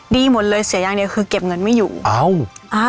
ดีหมดเลยเสียอย่างเดียวคือเก็บเงินไม่อยู่อ้าวอ่า